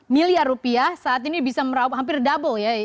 tujuh ratus miliar rupiah saat ini bisa merauh hampir double ya